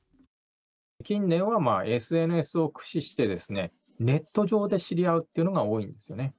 近年は、ＳＮＳを駆使して、ネット上で知り合うっていうのが多いですよね。